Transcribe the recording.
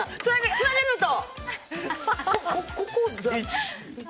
つなげルート！